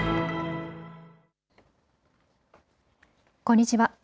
こんにちは。